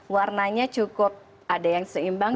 warnanya cukup ada yang seimbang